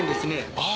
ああ